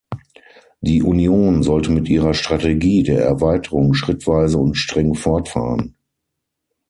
Die Union sollte mit ihrer Strategie der Erweiterung schrittweise und streng fortfahren.